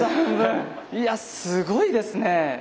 いやすごいですね。